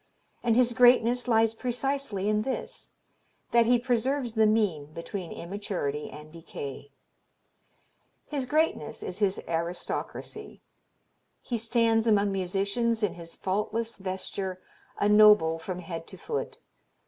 And his greatness lies precisely in this: that he preserves the mean between immaturity and decay. His greatness is his aristocracy. He stands among musicians in his faultless vesture, a noble from head to foot.